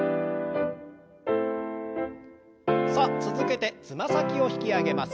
さあ続けてつま先を引き上げます。